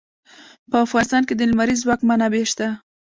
په افغانستان کې د لمریز ځواک منابع شته.